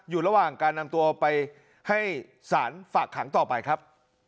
อยู่ระหว่างการนำตัวไปให้สารฝากขังต่อไปครับ